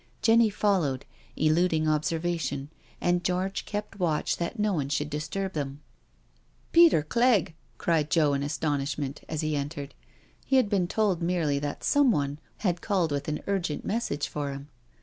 Jenny fol lowed, eluding observation, and George kept watch that no one should disturb them. 248 NO SURRENDER "Peter CleggI" cried Joe in astonishment, as he entered. He had been told merely that " someone " had called .with an urgent message for him.